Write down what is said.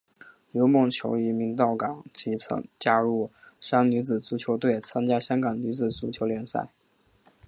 刘梦琼移民到港即加入加山女子足球队参加香港女子足球联赛。